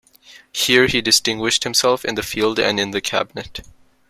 Here he distinguished himself in the field and in the cabinet.